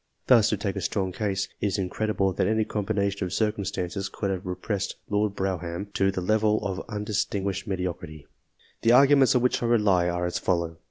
Thus to take a strong case it is incredible that any combination of circumstances, could have repressed Lord Brougham to the level of undis tinguished mediocrity. The arguments on which I rely are as follow.